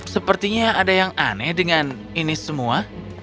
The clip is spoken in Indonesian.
sepertinya ada yang aneh dengan ini semua